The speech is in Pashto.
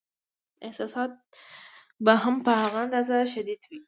دا احساسات به هم په هغه اندازه شدید وي.